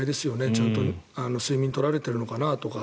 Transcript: ちゃんと睡眠を取られてるのかなとか。